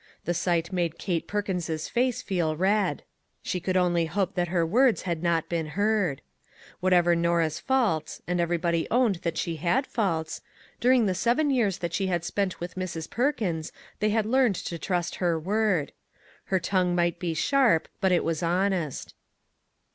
The sight made Kate Perkins's face feel red. She could only hope that her words had not been heard. Whatever Norah's faults and everybody owned that she had faults during the seven years that she had spent with Mrs. Perkins they had learned to 126 THINGS "WORKING TOGETHER" trust her word. Her tongue might be sharp, but it was honest.